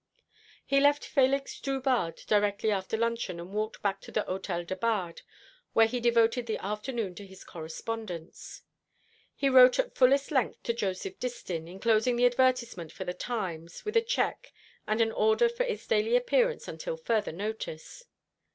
He left Félix Drubarde directly after luncheon, and walked back to the Hôtel de Bade, where he devoted the afternoon to his correspondence. He wrote at fullest length to Joseph Distin, enclosing the advertisement for the Times, with a cheque, and an order for its daily appearance until further notice.